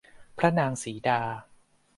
พระนางสีดา